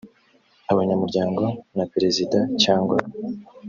abanyamuryango na perezida cyangwa